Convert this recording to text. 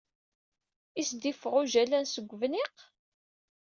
Is d-iffeɣ Ujalan seg ubniq?